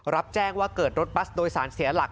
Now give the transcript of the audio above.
รับแจ้งว่าเกิดรถบัสโดยสารเสียหลัก